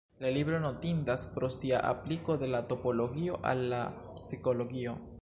La libro notindas pro sia apliko de la topologio al la psikologio.